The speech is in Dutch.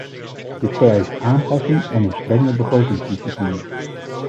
Dit vereist aanpassing en een strenge begrotingsdiscipline.